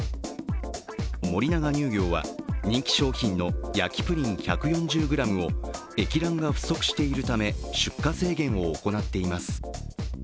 森永乳業は人気商品の焼プリン１４０ｇを液卵が不足しているため出荷制限を行っています。